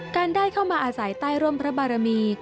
การได้เข้ามาอาศัยใต้ร่มพระบารมี